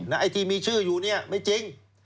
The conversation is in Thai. ไอ้ที่มีชื่ออยู่เนี่ยไม่จริง